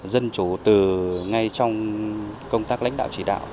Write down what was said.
dân chủ từ ngay trong công tác lãnh đạo chỉ đạo